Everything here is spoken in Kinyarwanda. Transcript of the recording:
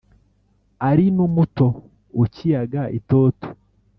ari n’umuto ukiyaga itoto